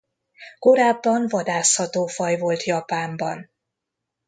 Korábban vadászható faj volt Japánban.